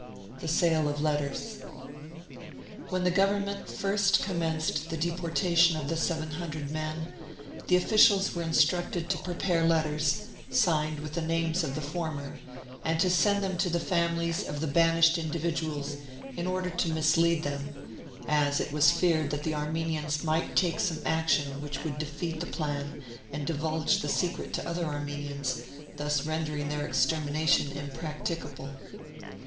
THE SALE OF LETTERS. When the Govern ment first commenced the deportation of the 700 men, the officials were instructed to prepare letters, signed with the names of the former, and to send 30 Martyred Armenia them to the families of the banished individuals in order to mislead them, as it was feared that the Armenians might take some action which would defeat the plan and divulge the secret to the other Armenians, thus rendering their extermination im practicable.